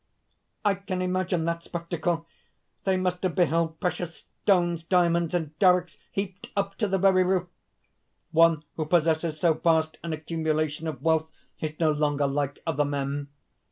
'_ "I can imagine that spectacle; they must have beheld precious stones, diamonds and darics heaped up to the very roof. One who possesses so vast an accumulation of wealth is no longer like other men.